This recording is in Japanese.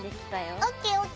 ＯＫＯＫ！